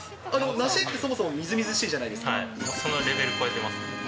梨ってそもそもみずみずしいそのレベル超えてます。